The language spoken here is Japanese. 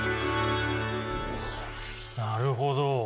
なるほど。